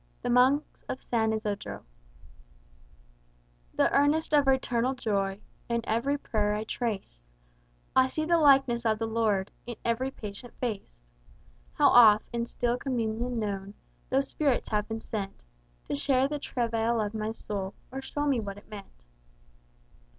The Monks of San Isodro "The earnest of eternal joy In every prayer I trace; I see the likeness of the Lord In every patient face. How oft, in still communion known, Those spirits have been sent To share the travail of my soul, Or show me what it meant."